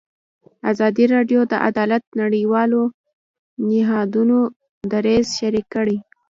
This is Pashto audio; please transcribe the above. ازادي راډیو د عدالت د نړیوالو نهادونو دریځ شریک کړی.